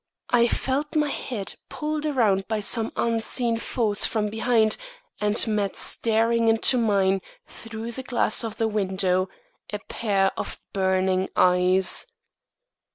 I felt my head pulled around by some unseen force from behind, and met staring into mine through the glass of the window a pair of burning eyes.